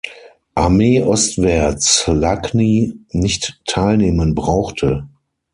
Armee ostwärts Lagny nicht teilnehmen brauchte.